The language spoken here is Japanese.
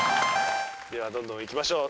ではどんどんいきましょう。